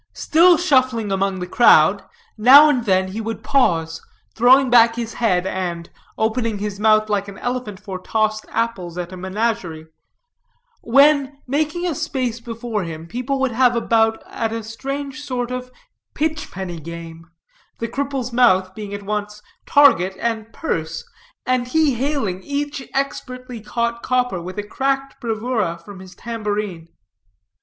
Still shuffling among the crowd, now and then he would pause, throwing back his head and, opening his mouth like an elephant for tossed apples at a menagerie; when, making a space before him, people would have a bout at a strange sort of pitch penny game, the cripple's mouth being at once target and purse, and he hailing each expertly caught copper with a cracked bravura from his tambourine.